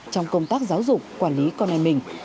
trong công tác giáo dục quản lý con em mình